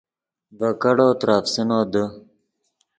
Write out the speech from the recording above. ڤے کیڑو ترے افسینو دے